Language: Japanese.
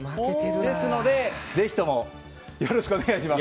ですので、ぜひともよろしくお願いします。